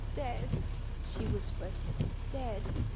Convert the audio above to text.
" Dead !" she whispered ;" dead